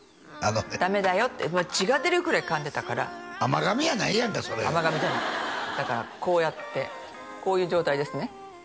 「ダメだよ」って血が出るくらい噛んでたから甘噛みやないやんかそれ甘噛みじゃないだからこうやってこういう状態ですね